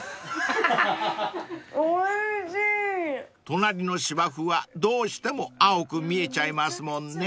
［隣の芝生はどうしても青く見えちゃいますもんね］